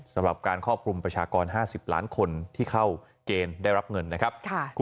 สำหรับการครอบคลุมประชากร๕๐ล้านคนที่เข้าเกณฑ์ได้รับเงินนะครับ